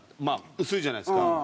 まあ薄いじゃないですか。